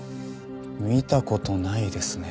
見た事ないですね。